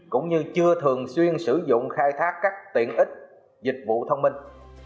cũng như chưa thường xuyên sử dụng khai thác các tiện ích dịch vụ thông minh